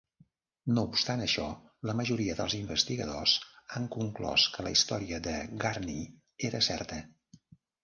No obstant això, la majoria dels investigadors han conclòs que la història de Gurney era certa.